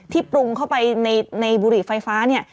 ที่ปรุงเข้าไปในบุหรี่ไฟฟ้า